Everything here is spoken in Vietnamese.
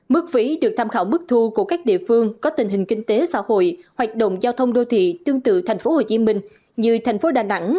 mức phí được tham khảo mức thu của các địa phương có tình hình kinh tế xã hội hoạt động giao thông đô thị tương tự tp hcm như thành phố đà nẵng